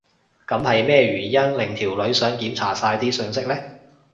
噉係咩原因令條女想檢查晒啲訊息呢？